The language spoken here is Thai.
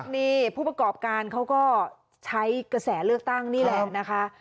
นี่ผู้ประกอบการเขาก็ใช้กระแสเลือกตั้งนี่แหละนะคะ